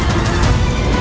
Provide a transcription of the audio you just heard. aku akan menangkapmu